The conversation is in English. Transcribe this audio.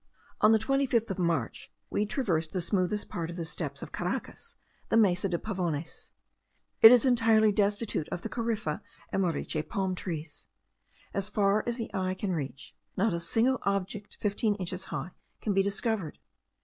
On the 25th of March we traversed the smoothest part of the steppes of Caracas, the Mesa de Pavones. It is entirely destitute of the corypha and moriche palm trees. As far as the eye can reach, not a single object fifteen inches high can be discovered.